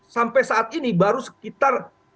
sampai saat ini baru sekitar